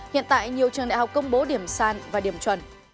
hiện tại nhiều trường đại học công bố điểm sàn và điểm chuẩn